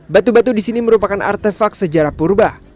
batu batu di sini merupakan artefak sejarah purba